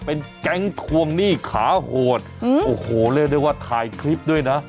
เป็นแก๊งทวงหนี้ขาโหดโอ้โหเรียกได้ว่าถ่ายคลิปด้วยนะ